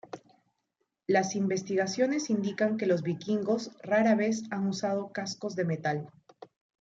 Las investigaciones indican que los vikingos rara vez han usado cascos de metal.